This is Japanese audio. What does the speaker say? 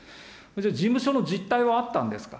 事務所の実体はあったんですか。